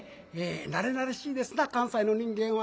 なれなれしいですな関西の人間は。